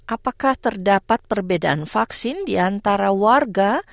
apakah terdapat perbedaan vaksin di antara warga